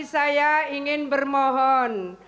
saya ingin bermohon